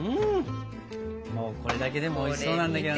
もうこれだけでもおいしそうなんだけどな。